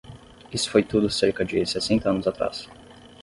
Isso foi tudo cerca de sessenta anos atrás.